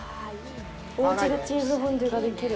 おうちでチーズホンデュができる。